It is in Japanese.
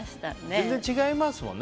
全然違いますもんね。